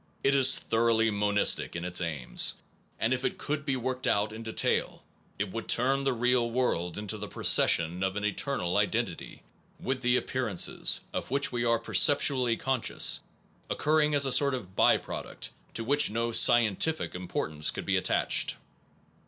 It is thoroughly monistic in its aims, and if it could be worked out in detail it would turn the real world into the procession of an eternal identity, with the appearances, of which we are perceptually conscious, oc curring as a sort of by product to which no scientific importance should be attached.